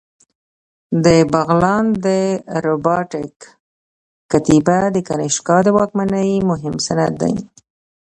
د بغلان د رباطک کتیبه د کنیشکا د واکمنۍ مهم سند دی